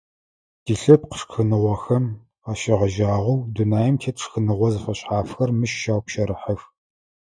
Тилъэпкъ шхыныгъохэм къащегъэжьагъэу, дунаим тет шхыныгъо зэфэшъхьафхэр мыщ щаупщэрыхьэх.